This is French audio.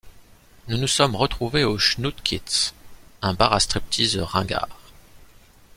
Nous nous sommes retrouvés au Schnookiez, un bar à strip-tease ringard.